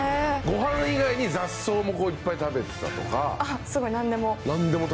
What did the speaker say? ご飯以外に雑草もいっぱい食べてたとかあっすごい何でも？